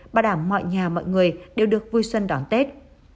bảo đảm mọi nhà mọi người đều được vui xuân đón tết